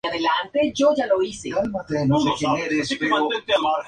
Este centro se compone de dos secuencias conservadas de Asp-Gly-Thr.